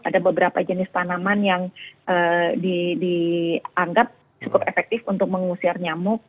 ada beberapa jenis tanaman yang dianggap cukup efektif untuk mengusir nyamuk